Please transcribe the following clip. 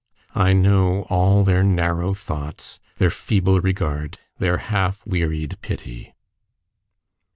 I know all their narrow thoughts, their feeble regard, their half wearied pity.